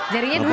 jarinya dua dong